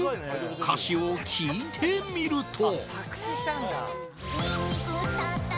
歌詞を聴いてみると。